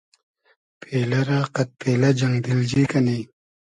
پېلۂ رۂ قئد پېلۂ جئنگ دیلجی کئنی